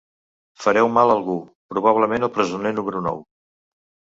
Fareu mal a algú, probablement al presoner número nou.